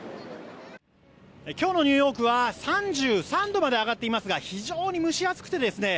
今日のニューヨークは３３度まで上がっていますが非常に蒸し暑くてですね